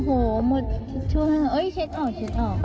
โอ้โหหมดช่วงเอ้ยเช็ดออกเช็ดออก